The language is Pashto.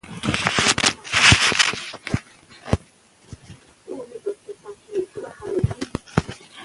د موقف ټینګول د هر ډول منفي سیاست مخنیوی کوي.